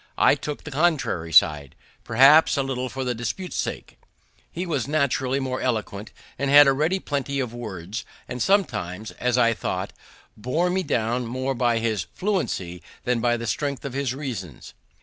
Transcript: I took the contrary side, perhaps a little for dispute's sake. He was naturally more eloquent, had a ready plenty of words, and sometimes, as I thought, bore me down more by his fluency than by the strength of his reasons.